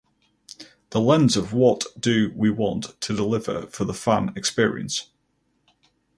The lens of what do we want to deliver for the fan experience?